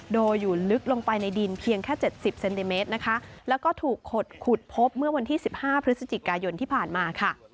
โดยอยู่ลึกลงไปในดินเพียงแค่๗๐เซนติเมตรนะคะแล้วก็ถูกขดขุดพบเมื่อวันที่๑๕พฤศจิกายนที่ผ่านมาค่ะ